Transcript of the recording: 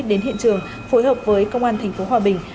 đến hiện trường phối hợp với công an tp hòa bình